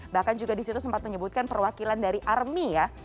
bahkan juga disitu sempat menyebutkan perwakilan dari army ya